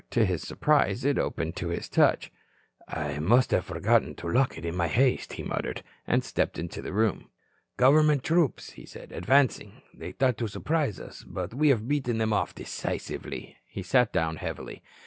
To his surprise, it opened to his touch. "I must have forgotten to lock it in my haste," he muttered, and stepped into the room. "Government troops," he said, advancing, "They thought to surprise us but we have beaten them off decisively." He sat down heavily.